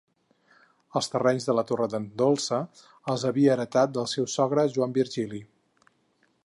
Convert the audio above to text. Els terrenys de la Torre d'en Dolça els havia heretat del seu sogre Joan Virgili.